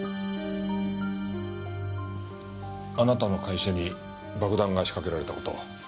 あなたの会社に爆弾が仕掛けられた事